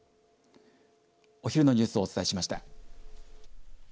お昼のニュースをお伝えしました。